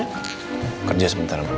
aku di kerja sebentar